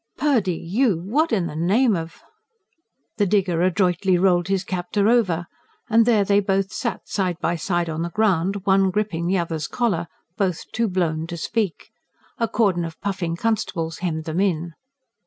"Purdy! ... you! What in the name of ...?" The digger adroitly rolled his captor over, and there they both sat, side by side on the ground, one gripping the other's collar, both too blown to speak. A cordon of puffing constables hemmed them in.